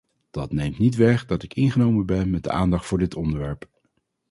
Dat neemt niet weg dat ik ingenomen ben met de aandacht voor dit onderwerp.